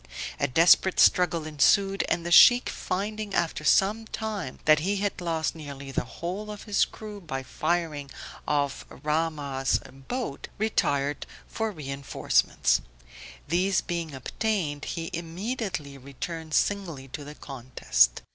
A desperate struggle ensued, and the Sheikh finding after some time that he had lost nearly the whole of his crew by the firing of Rahmah's boat, retired for reinforcements. These being obtained, he immediately returned singly to the contest.